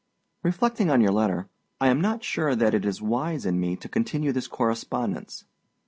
Reflecting on your letter, I am not sure that it is wise in me to continue this correspondence.